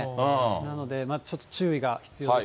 なのでちょっと注意が必要ですね。